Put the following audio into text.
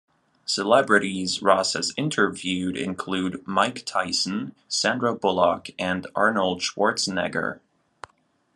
Celebrities Ross has interviewed include Mike Tyson, Sandra Bullock and Arnold Schwarzenegger.